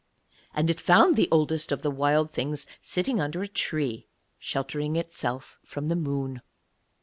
And it found the Oldest of Wild Things sitting under a tree, sheltering itself from the moon.